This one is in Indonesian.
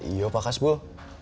iya pak kasbul